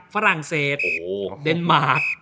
ฝรั่งเศสเดนมาร์ค